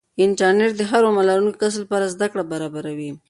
انټرنیټ د هر عمر لرونکي کس لپاره زده کړه برابروي.